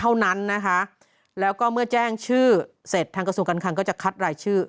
เท่านั้นนะคะแล้วก็เมื่อแจ้งชื่อเสร็จทางกระทรวงการคังก็จะคัดรายชื่อ